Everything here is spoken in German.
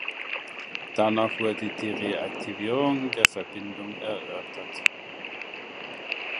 Danach wurde die Reaktivierung der Verbindung erörtert.